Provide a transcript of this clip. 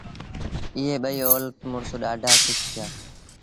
ائيٚݩ ٻئيٚ اولت مڙس ڏآڍآ کُش ٿيٚآ۔